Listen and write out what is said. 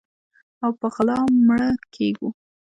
او په غلا مړه کیږو